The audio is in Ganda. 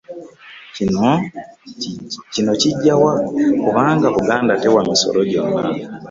Kino kijjawa kubanga Buganda tewa misolo gyonna